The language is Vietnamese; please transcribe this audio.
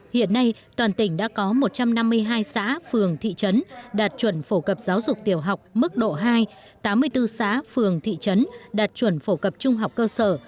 hiện nay toàn tỉnh đã có một trăm năm mươi hai xã phường thị trấn đạt chuẩn phổ cập giáo dục tiểu học mức độ hai tám mươi bốn xã phường thị trấn đạt chuẩn phổ cập trung học cơ sở